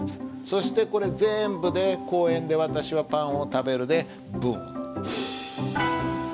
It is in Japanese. そしてこれ全部で「公園で私はパンを食べる」で文。